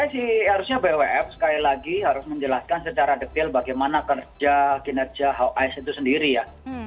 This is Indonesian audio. kalau menurut saya sih harusnya bwf sekali lagi harus menjelaskan secara detail bagaimana kinerja hawkeye itu sendiri ya